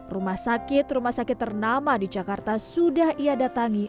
rumah sakit rumah sakit ternama di jakarta sudah ia datangi